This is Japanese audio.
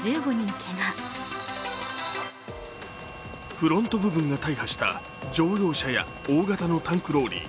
フロント部分が大破した乗用車や大型のタンクローリー。